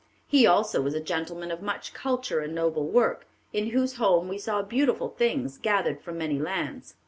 He also is a gentleman of much culture and noble work, in whose home we saw beautiful things gathered from many lands.